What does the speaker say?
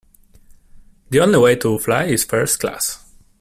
The only way to fly is first class